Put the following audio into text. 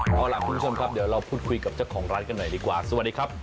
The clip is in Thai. เอาล่ะคุณผู้ชมครับเดี๋ยวเราพูดคุยกับเจ้าของร้านกันหน่อยดีกว่าสวัสดีครับ